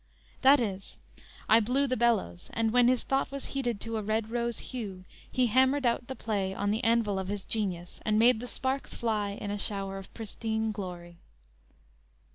That is, I blew the bellows, and when his thought was heated to a red rose hue he hammered out the play on the anvil of his genius, and made the sparks fly in a shower of pristine glory.